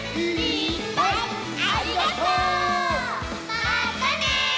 まったね！